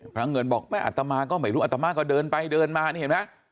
พระเงินบอกแม่อัตมาก็ไม่รู้อัตมาก็เดินไปเดินมานี่เห็นไหม